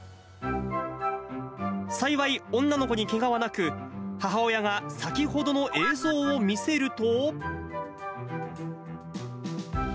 幸い、女の子にけがはなく、母親が先ほどの映像を見せると。